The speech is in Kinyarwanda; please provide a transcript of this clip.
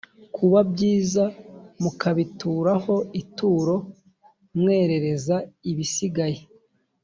kuba byiza mukabitura ho ituro mwerereza ibisigaye